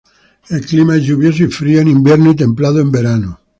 El clima es lluvioso y frío, en invierno y templado en verano.